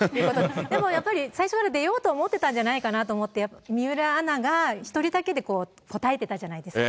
でもやっぱり最初から出ようと思ってたんじゃないかなと思って、水卜アナが１人だけで答えたじゃないですか。